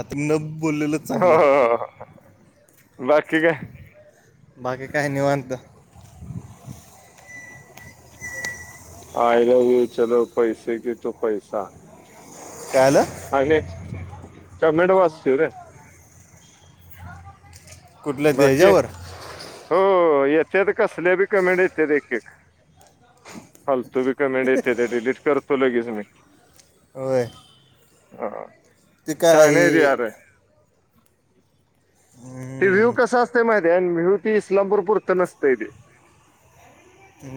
आता न बोललेलं हो चांगलं हो हो. बाकी काय बाकीे काही नि आणत आयला चल पैसे कि तो पैसा कायलं आणि च मेड वाचतव रे कुठल्या बाकी त्याच्यावर हो येतत कसले बी कमेंड येत एके हालतो बी कमेंट येते ते डिलीट करतो लगेच मी हो हा त छान काही आहे रे अरे ते व्ह्यू हम्म, कस असते माहितीे आणि व्यू ती इस्लामपूरपूरच नसते तेे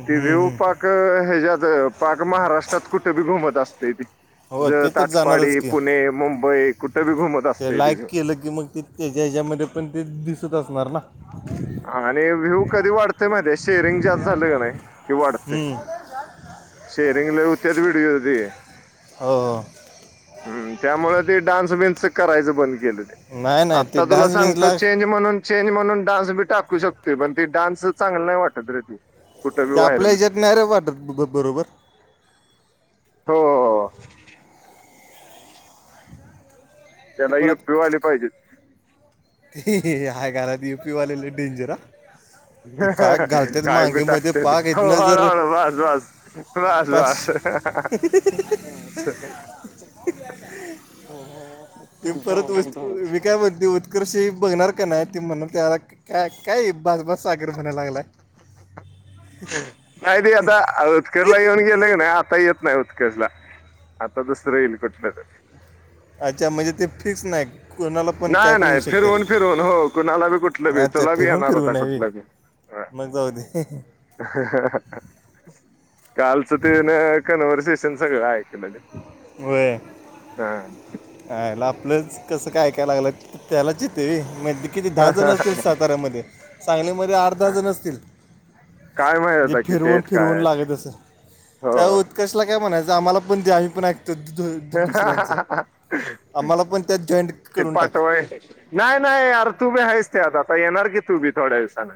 ते वऊ पाक ह्याच्यात पाक महाराष्ट्रात कुठे बी घुमत असते ती हो ज ते तर जाणारच ताटपाडी की पुणे मुंबई कुठे बी घुमत ते असते ती लाईक व्ह्यू केलं की मग ते त्याच्या ह्याच्यामध्ये पण ते दिसत असणार ना आणि व्ह्यू कधी वाढते माहि शेअरिंग जास्त झालं का नाही कि वाढते हम्म, शरंगला उत्यात विडते हो ह्म त्यामुळे ते डान्स बिन्स करायचं बंद केलेलं नाही नाही ते आत्ता तुला डान्स सांगतो बिन्सला चेंज म्हणून चेंज म्हणून डान्स बी टाकू शकते पण ती डान्स चांगला नाही वाटत रे त ते आपल्या हच्यात नाही रे वाटत बरोबर हो हो हो. ते त्याला यु परत पी वा आली पाहिजे. ते हय काात यू पीवालेला डेंजर ते काग घालतात काय बी मांगेमध्ये टाकते ते पाक येत हो ना जर हळूहळू वास वास पास वास ते परत वास मी काय म्हणते. साखरशी बघणार का नाही ते म्हण त्याला काय भातभास साखर बणायला लागलाय. नाही ते आता उजकडला येऊन गेले क नाही आता येत. नाही होत कसला आता दसत्र इल कटलेत अच्छा म्हणजे ते फिक्स नाही. कोणाला पण काय नाही पण नाही येऊ शकते फिरवून फिरवून हो कुणाला बी कुठलं बी अच्छा तुला बी फिरवून येणार फिरव होता हवी. कुठलं बी मग जाऊते. कालचं तेन कन्व्हर्सेशन सगळं ऐकलं. वरे हा. हला आपलंच कसं कायकाय लागलं त्याला चिते म किती दहा जण असतील साताऱ्यामध्ये सांगलीमध्ये आठ दहा जण असतील. काय माहित े होता किती फिरवून आहेत काय फिरवून आहेत लागत अस हो त्या कसला काय म्हणायचं आम्हाला पण द आम्हीण ऐकतो. ह दु- हा दुसऱ्यांचं ह ह. आम्हाला पण त्यात जॉईंट करून टाका. हो. नाही नाही यार तू बी आहेस ते आता आता येणार की तू बी थोड्या दिवसाांना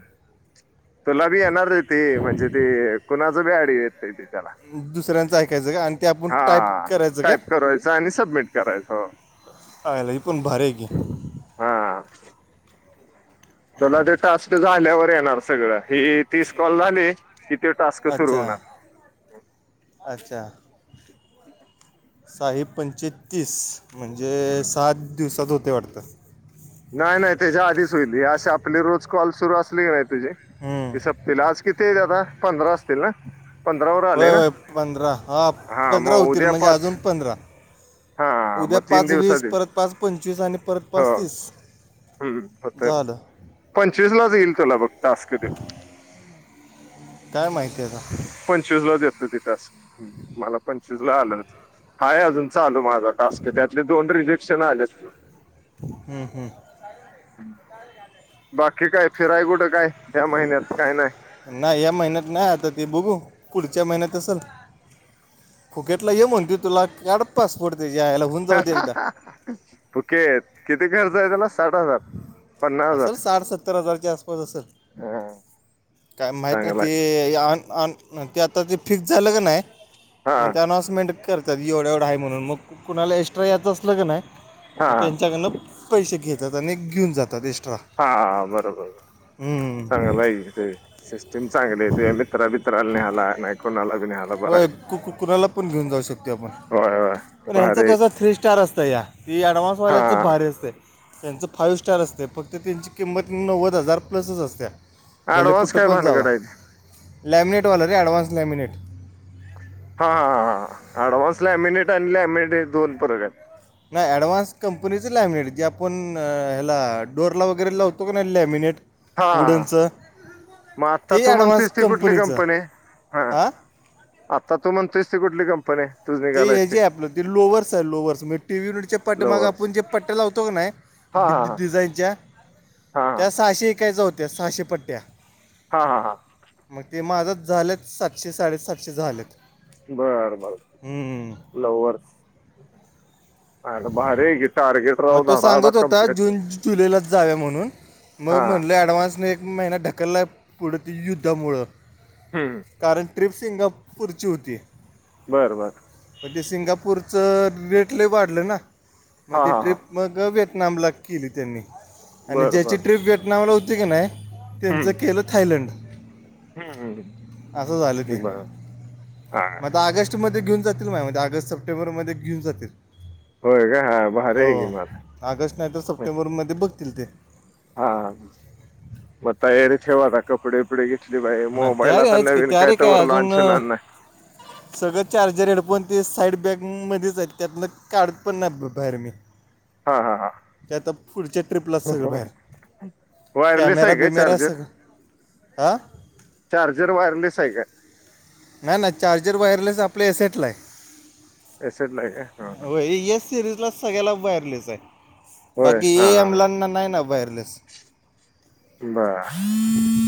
तुला बी येणार ती म्हणजे तेी कुणाच बी अडी येत ती त्याला दुसऱ्यांचं ऐकायचं का आणि ते आपण टाईप हा करायचं. का टाईप कवायच आणि सबमिट करायच आयला ही पण भारी आहे की हा. तला ते टास्क झाल्यावर येणार सगळं हि तीस कॉल झाली कि ते टास् अच्छा. अच्छा शही पंचेतीस. म्हणजे सात दिवसात होते वाटतात. नाही नाही त्याच्या आधीच होईल अशी आपली रोज कॉल सुरू असले की नाही. तुझे हम्म. ते सपतील आज किती आता पंधरा असतील ना. पंधरावर आले होय ना होय पंधरा हा पंधरा मग होतील उद्या म्हणजे पाच अजून पंधरा हा उद्या मग तीन पाच वीस दिवसात येईल परत पाच पंचवीस आणि परत हो पाच तीस हम्म होत झालं पंचवीस लाच येईल तुला बघ तास्क दे. काय माहिती आहेता. पंचवीस लाच येतो तिथास मला पंचवीस ला आलं हाय अजून चालू मला त्यातले दोन रिजेक्शन आले. हम्म हम्म. बाकी काय फिराय कुठं काय त्या महिन्यात काय नाही. नाही या महिन्यात नाही आता ते बघू पुढच्या महिन्यात असेल. खोकेटला ये म्हणते तुला काडत पासपोर्ट ते यायला होऊन जाऊ दे एकदा तुके किती खर्च आहेेत ना साठ हजार. पन्नास असल हजार साठ सत्तर हजारच्या आसपास असल. ह काय माहीती चांगलाय नाही ते ते आता ते फिक्स झालं का नाही हा म्हणज अनाऊन्समेंट करते. तधी एवढा एवढं आहे म्हणून मग कुणाला एक्स्ट्रा यायचं असलं क नाही हा मग त्यांच्याकडनं पैसे घेत. ज आणि एक घेऊन जात एक्स्ट्रा. हा बरोबर हम्म. चांगला आहे ते सिस्टीम चांगली आहे तुझ मित्रा मित्राला नि्याला नाही कोणाला बी नि्यायला बघ. कोणाला आपण घऊ जाऊ शो पण होय होय पण ह्यांचं भारी आहे. कसं थ्री स्टार असतं या ती ॲडव्हान्सवाल्याचं भारी हा असतें त्यांचं फाईव्ह स्टार असते फक्त त्यांची किंमत नव्वद हजार प्लसच असते भले ऍडव्हान्स कुठं काय पण जाव भानगड आहे. लॅमिनेटवाला रे ॲडव्हान्स लॅमिनेट हा ह ह हां डव्ह्सॅ मिनिट आणि ल मिनिट दोन परग नाही ॲडव्हान्स कंपनीचं लॅमिनेट जे आपण ह्याला डोअरला वगैरे लावतो का नाही लॅमिनेट हा हा हा उडचं मग आता तू म्हणतोस ती कुठली कंपनी हा हां आता तू म्हणतेोयस ती कुठली कंपनी तूच ते निघालायस हे ती जे आपलं ते लो्हर्स आहे लोवर् म्हणजे टी व्ही युिटचे पट्टग लव्हर्स. आपण जे पट्टे लावतो का नाही हा हा डिझाईनच्या हा हा त्या सहाशे वकायच्या होत्या सहाशे पट्ट्या हां हां हां मग ते माझंच झालेत सातशे साडेसातशे झालेत बर बर ल्हर्स मग तो धडाधड सांगत होता कंप्लीट जून जुलैलाच जाव म्हणून मग हा म्हणलं डव्ह्स एक महिनात अकलला पुढे ते युद्धामुळं हम्म कारण ट्रिप सिंगापूरची होती बरं बर म्हण ते सिंगापूरचं रेट ल वाढलं ना हा मग ते हा हा ट्रिप मग व्हएतनामला केली त्यांनी आणि बर ज्याची बर ट्रिप व्हएतनामला होती की नाही त्यांचं केलं थायलंड ह ह मझ ऑगस्टमध्येध्येेऊन जील मा ऑगस्ट सप्टेंबर मध्ये घेऊन जातील होय का हा भारी हो आहे की आऑगस्ट नाही तर मग सप्टेंबरमध्ये बघतील ते हा म ए रचेवाता कपडे उपडे ग बाई ना त्या रे आहेच मोबाईलताना की त्या रे विनकाय काय तवर अजून लांच अं, होणारना सगळं चार्जर हेडफोन ते साईड बॅगमध्येध्येच आहेत त्यातलं काढत पण नाही बाहेर मी हा हा हा ते आता पुढच्या ट्रिपलाच सगळं बाहेर वायरलेस कॅमेरा आहे काय बिमेरा चार्जर सग हं चार्जर वायरलेस आहे का नाही ना चार्जर वायरलेस आपले एसटला आहे एसड लाे हो या सिरीज ला सगळ्याला बाहेरलेच आहे होय बाकी हा हा. एएमलांना नाही ना वायरलेस बर हां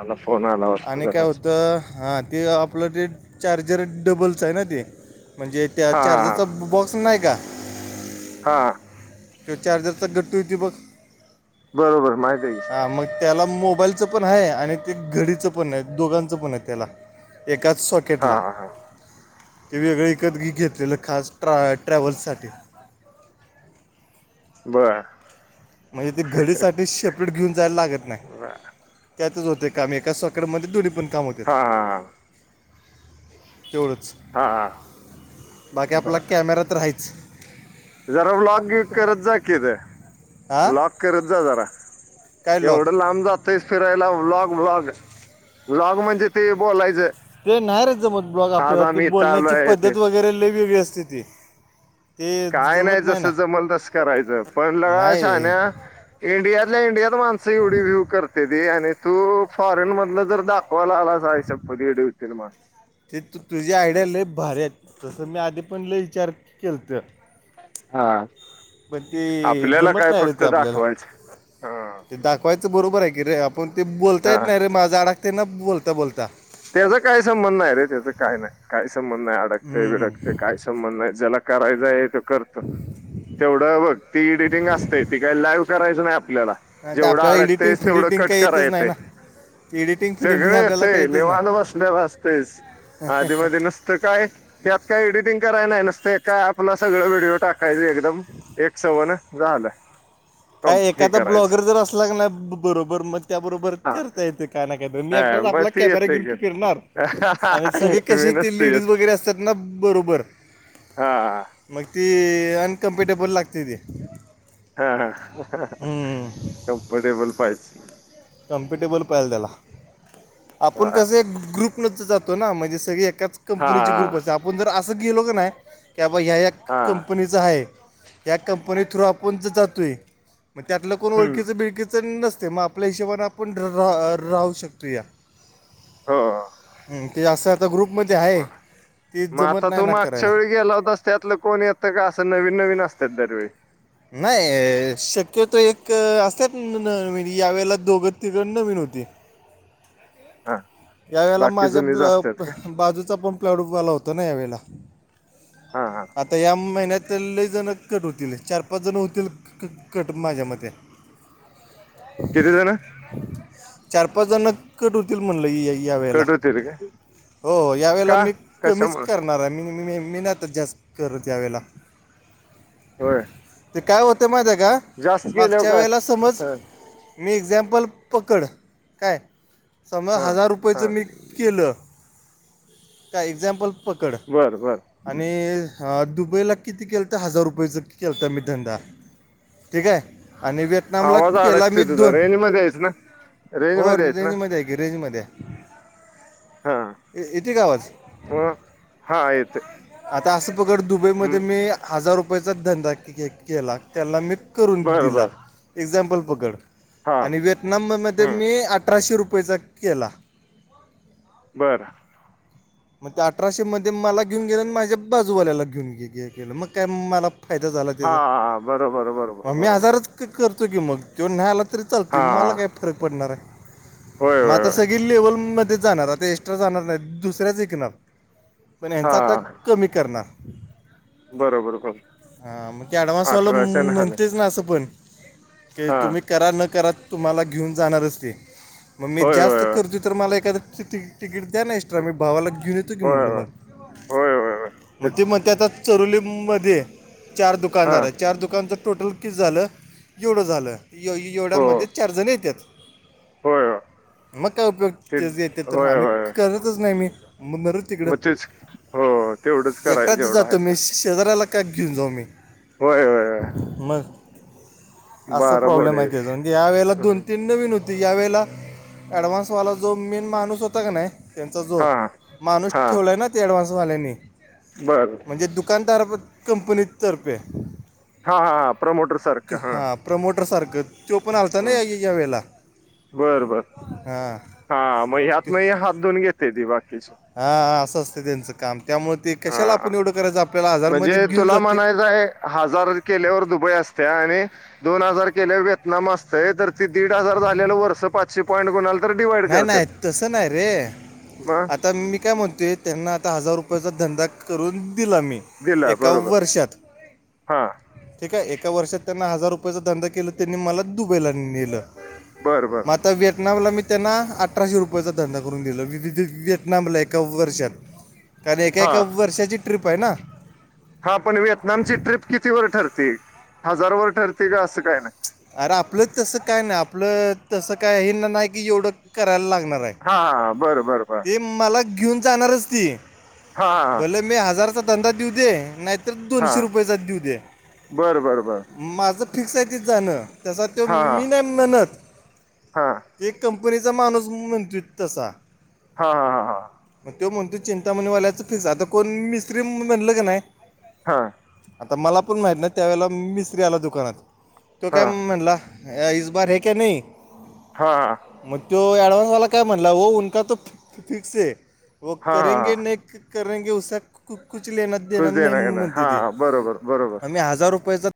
आला फोन आला वाटतं आणि काय जरासा. होतं हा तेी आप अलटेड चार्जर डबलच आहे ना ते म्हणजे त्या हा हा हा चार्जरचा बॉक्स नाही का हा त चार्जरचा घट्ट होती बघ बरोबर माहती येई ह मग त्याला मोबाईलचं पण आहे आणि ते घडीचं पण दोघांच पण आहे त्याला एकाच हा सॉकेटला हा हा ते वेगळं एकत घेतलेलं खास ट्रा ट्रॅव्हल्ससाठी बरं म्हणजे ते घडीसाठी शेपरेट घेऊन जायला लागत नाही बर त्यातच होते काम एका सकाळमध्ये दधोडी पण काम होते हा हा तेवढच हा हा बाकी आपला बर कॅमेरा तर राच जरा ब्लॉक करत जा किथ हा ब्लॉक करत जा जरा काय लॉक एवढं लांब जातयस फिरायला व्लॉग व्लॉग व्लॉग म्हणजे ते बोलायचं ते नाही रे ज मत ब्लॉग आज आपल्याला ते आम्ही इथं बोलण्याची आलोय ते पद्धत वगैरे वेगवेगळी असते ती ते काय नाही जमत ना जसं जमल तसं करायचं पण ल शान नाही इंडियातल्या इंडियात माणसं एवढी व्हू करते ती आणि तू फॉरेन मधलं जर दाख होलाला सयश पलीडतील मा ते तू तुझी आयडिया लले भारी आहेत तसं मी आधी पण ल विचार केल तर हा पण ते आपल्याला जमत काय नाही रे फक्त ते आपल्याला दाखवायचं हा ते दाखवायचं बरोबर आहे की रे आपण ते बोलता येत हा नाही रे माझा आडाकते ना बोलता बोलता त्याचा काही संबंध नाही रे त्याच काय नाही काही संबंध नाही अडकते हम्म बिडकते काय संबंध ज्याला करायचय करत तेवढं बघ ती एडिटिंग असते ती काही लाईव्ह करायचं नाही आपल्याला आणि ते जेवढं आपल्याला एडिटिंग अडकतेस तेवढं फिडिटिंग कट काही करा येतच नाही येते ना एडिटिंग फिडिटिंग सगळे येत आपल्याला काही येतच लवाल नाही बसलेलं असतेस आधी म नुसतं काय त्यात काय एडिटिंग करायला नाही नसते का आपलं सगळ व्हिडिओ टाकत काहीतरी एकदम एक सवण झालं कम काय हे एखादा करायचं ब्लॉगर जर असला नाही बरोबर मग त्या बरोबर हा करता येतं काय नाही काय द हा मीटाच मग आपला ती कॅमेराे येतंय घेऊन की फिरणार आणि सगळे मी कसे ते नसते लेडीज येत वगैरे असतात ना बरोबर हा हा मग त अनकमफर्टेबल लागत आहे हा हा हम्म कम्फर्टेबल पाहिज कॉम्पिटेबल पाहिल त्याला आपण हा कसं ग्रुप जातो ना म्हणजे सगळे एकाच कंपनीचे हा ग्रुप असते आपण जर असं गेलो का नाहीी बाबा ह्या हा कंपनीच आहे त्या कंपनी थ्रू आपण जातोय मग त्यातलं कोण हम्म ओळखीचं बिळकीचं नसते म आपल्या हिशबन आपण राहू शकतो या हो अस आता ग्रुपमध्ये आहे म- ते जमत नाही ना करायला गलाव द त्यातलं कोण येतं का असं नवीन नवीन असतात दरवेळ नाही शक्यतो एक असत यावेेळेला दोघं तिघड नवीन होती हां यावेेळेला माझ्या ब्ल बाजूचा पण प्लडूवाला होता ना यावेेळेला हा हा आता या महिन्यातले जण कट होतील चार पाच जण होतील क कट माझ्या मते किती जण चार पाच जण कट होतील म्हणलं या वेळेला कट होतील काय हो यावेळेला का मी कमीच कशामुळे करणार आहे मी महनतच जास्त कर त्यावेेळेला हो ते काय होतं माहि त्या का मागच्या काय वेळेला समज हा मी एक्झाम्पल पकड काय समर हा हजार रुप पैचं हा मी केलं काय एक्झामपल खूप पकड बर बर आणि ह दुबईला किती केलंतं हजार रुपयेचं केलत मी धंदा ठीक आहे आन ब नामला आवाज केला अडकतोय मी तुझा दोन रेंज मध्ये आहेस ना रेंज हो मध्ये आहेस ना रेंजमध्ये आहे की रेंजमध्ये आहे हा इतीी कावाज मग हा येते आता असं प्रकार दुबईमध्ये हम्म. मी हजार रुपयाचा धंदा केला त्याला मी बर दि बर एझमपल पड हा आणि व नंबमध्ये हम्म. मी अठराशे रुपयेचा केला. बरं. मग ते अठराशेमध्येध्ये मला घेऊन गेलं आणि माझ्या बाजूवाल्याला घेऊन गे केलं मग काय मला फायदा झाला त्याचा हा बरोबर बरोबर म मी बरोबर आजारच. करतो की मग तेो नला तरी चातय हा मला काय फरक पडणार आहे. होय मग होय आता होय सगळी लेवलमध्येध्ये जाणार आता एक्स्ट्रा जाणार नाही दुसऱ्याच हा [unintelligible] बरोबर बरोबर हा मग ते अऍडवान्सवाला अठराशे हा नाही. म्हणतेच ना असं पण हा तुम्ही करा न करा तुम्हाला घेऊन जाणारच ते मग मी होय जास्त होय करते तर मला एखा तिकीट द्या ना एक्स्ट्रा मी भावाला घेऊन येतो होय होय म्हटलं होय मग होय होय होय मग तेच ते म ते आता चरोली मध्ये चार हा दुकानदार आहे चार दुकान तर टोटल किती झालं एवढं झालं हो एवढ्यामध्ये चारजण येतात. होय होय मग काय ते उपयोग येत तर होय आम्ही होय करतच नाही मी मग नर तिकडं मग तेच हो तेवढंच करायच एकटाच जेवढं आहे जातं का मीस शेजाऱ्याला काग घेऊन जाऊ मी होय होय होय मग असं बारा बॉडी प्रॉब्लेम आहे त्याच या वेळेला दोन हम्म. तीन न नवीन होती यावेळेला ऍडव्हान्स वाला जो मेन माणूस होता का नाही त्यांचा जो हा हा बर [unintelligible] दुकानदार कंपनी तर्फे हा हा हा प्रमोण त हा प्रमोटर सारखं तो पण आलता ना हम्म. या या वेळेला बर बर हा. हा मग ह्यात म हात धऊन घेते ती बाकीची हा असं असते त्यांचं काम त्यामुळे ते कशाला हा आपण एवढं करायचं आपल्याला आजारमध्ये म्हणजे घेऊन तुला जाते. म्हणायचं आहे हजार केल्यावर दुबई असते आणि दोन हजार केल्या व्यतनाम असतय तर ते दीड हजार झालेलं वर्ष पा े पॉईंट गुल तर डिवाइड नाही करत नाही तसं नाही रे ब आता मी काय म्हणतेोय त्यांना आता हजार रुपयाचा धंदा करून दिला मी दिला एकाव् बरोबर वर्षात हा ठीक आहे एका वर्षात त्यांना हजार रुपयाचा धंदा केला त्यांनी मला दुबईला नेल. बरं बर. आता व्हिएटनामला मी त्यांना अठराशे रुपयाचा धंदा करून दिला. व्हएतनामला एका वर्षात कारण एका हा एका वर्षाची ट्रिप आहे ना. हा पण व्हिएतनामची ट्रिप कितीवर ठरती हजारावरर ठरते का असं काय नाही. अरे आपलं तसं काय नाही आपलं तसं काय हेना नाही की एवढं करायला लागणार. आहे हाा बरं बर बर. ते मला घेऊन जाणारच ती हां हां भला मी हजारचा धंदा देऊ दे नाही. तर दोनशे हां रुपये जात देऊ दे. बरं बरं बरं माझं फिक्स आहे तिथ जाणं त्याचा तो हां मी नाही म्हणत. हां ते कंपनीचा माणूस मंतत असा. हा हा हा हा. मग तो म्हणतो चिंतामणीवाल्याचं फिक्स आता कोण मिस्त्री बनलं की नाही. हा. आता मला पण माहित ना त्यावेेळेला मिस्त्री आला दुकानात तो काय हां हां म्हणला इ बार है क नाही. हां. मग तो अऍडवाांस वाला काय म्हणला होका त फिक्स आहे. व हां हां करेगे नाही करेगे उा क कुच कुच देणं घेणं देणार हां बरोबर बरोबर आम्ही हजार रुपया